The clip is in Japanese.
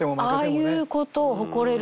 ああいう事を誇れる。